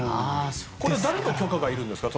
これは誰の許可がいるんですか。